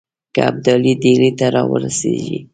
که ابدالي ډهلي ته را ورسیږي.